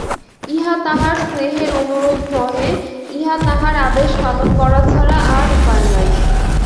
ইহা তাঁহার স্নেহের অনুরোধ নহে, ইহা তাঁহার আদেশ–পালন করা ছাড়া আর উপায় নাই।